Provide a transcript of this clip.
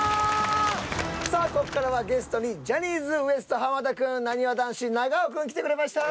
さあここからはゲストにジャニーズＷＥＳＴ田くんなにわ男子長尾くん来てくれました。